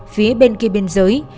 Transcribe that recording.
phía bên kia biên giới